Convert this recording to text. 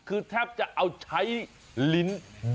คือแทบจะเอาใช้ลิ้น